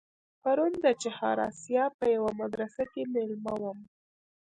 پرون د چهار آسیاب په یوه مدرسه کې مېلمه وم.